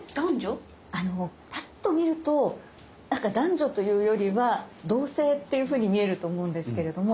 パッと見るとなんか男女というよりは同性っていうふうに見えると思うんですけれども。